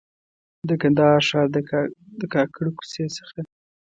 د کندهار ښار د کاکړو کوڅې څخه.